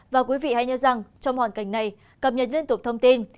và quý vị hãy nhớ rằng trong hoàn cảnh này cập nhật liên tục thông tin